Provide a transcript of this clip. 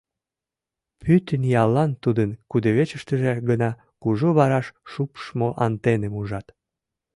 Пӱтынь яллан тудын кудывечыштыже гына кужу вараш шупшмо антенным ужат.